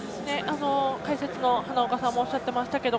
解説の花岡さんもおっしゃっていましたけど